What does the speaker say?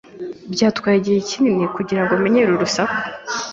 Byatwaye igihe kinini kugirango menyere urusaku.